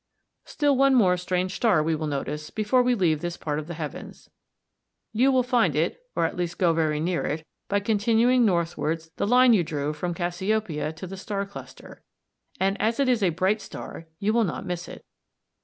Still one more strange star we will notice before we leave this part of the heavens. You will find it, or at least go very near it, by continuing northwards the line you drew from Cassiopeia to the Star Cluster (c, Fig. 58), and as it is a bright star, you will not miss it.